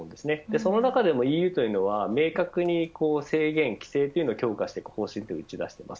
その中でもＥＵというのは明確に制限、規制を強化する方針を打ち出しています。